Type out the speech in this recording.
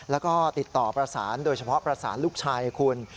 แล้วก็ติดต่อประสานโดยเฉพาะประสานลูกชายคุณ